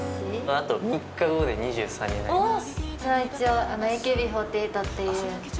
あと３日後で２３になります